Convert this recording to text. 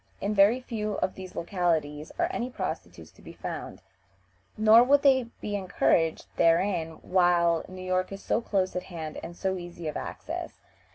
In very few of these localities are any prostitutes to be found, nor would they be encouraged therein while New York is so close at hand and so easy of access.